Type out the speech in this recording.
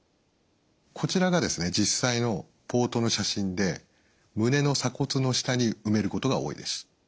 こちらが実際のポートの写真で胸の鎖骨の下に埋めることが多いです。